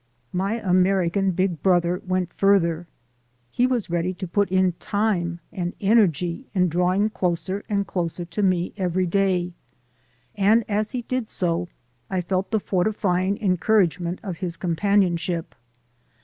My American "Big Brother" went further, he was ready to put in time and energy in drawing closer and closer to me every day, and as he did so, I felt the fortifying encourage ment of his companionship.